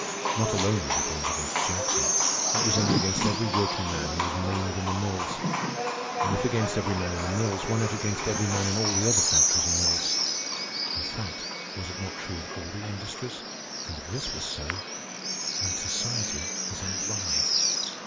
Not alone was it aimed against Jackson. It was aimed against every workingman who was maimed in the mills. And if against every man in the mills, why not against every man in all the other mills and factories? In fact, was it not true of all the industries? And if this was so, then society was a lie.